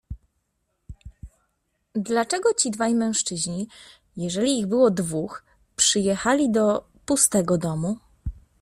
"Dlaczego ci dwaj mężczyźni, jeżeli ich było dwóch, przyjechali do pustego domu?"